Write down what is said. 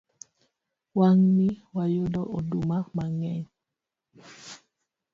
Wang'ni wayudo oduma mang'eny